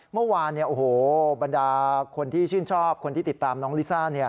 เมื่อวานบรรดาคนที่ชื่นชอบคนที่ติดตามน้องลิซ่า